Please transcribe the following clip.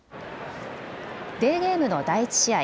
デーゲームの第１試合。